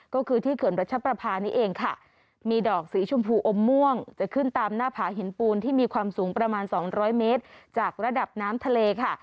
ก็คือที่เขื่อนรัชประพานี่เองค่ะมีดอกสีชมพูอมม่วงจะขึ้นตามหน้าผาหินปูนที่มีความสูงประมาณ๒๐๐เมตรจากระดับน้ำทะเลค่ะ